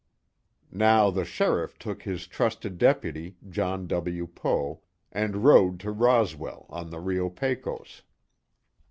Now the sheriff took his trusted deputy, John W. Poe, and rode to Roswell, on the Rio Pecos.